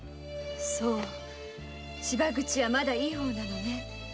そう芝口はまだいい方なのね。